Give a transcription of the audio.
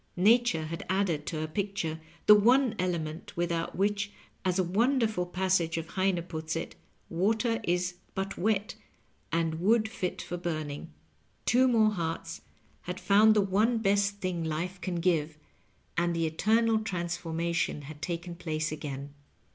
Nature had added to her picture the one element without which, as a wonderful passage of Heine puts it, water is but wet, and wood fit for burn ing. Two more hearts had found the one best thing life Digitized by VjOOQIC 216 LOVE AND LIQETmNQ. can give, and the eternal transformation had taken place again.